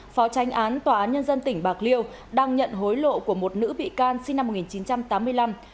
phó tranh án tòa án nhân dân tỉnh bạc liêu đang nhận hối lộ của một nữ bị can sinh năm một nghìn chín trăm tám mươi năm